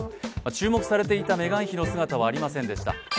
注目されていたメガン妃の姿はありませんでした。